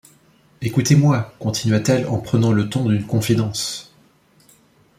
Écoutez-moi, continua-t-elle en prenant le ton d’une confidence.